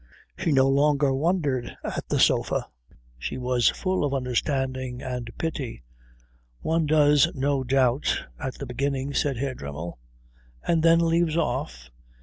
She no longer wondered at the sofa. She was full of understanding and pity. "One does, no doubt, at the beginning," said Herr Dremmel. "And then leaves off?